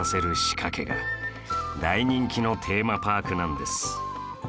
大人気のテーマパークなんです